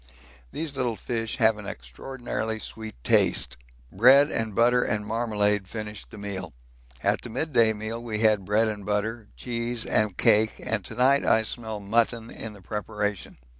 These little fish have an extraordinarily sweet taste bread and butter and marmalade finished the meal. At the midday meal we had bread and butter, cheese, and cake, and to night I smell mutton in the preparation.